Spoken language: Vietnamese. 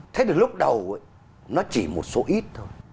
thế thì lúc đầu nó chỉ một số ít thôi